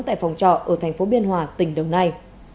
tại phòng trọ ở thành phố biên hòa tỉnh đồng nai